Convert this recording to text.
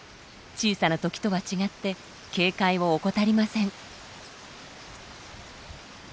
小さな時とは違って警戒を怠りません。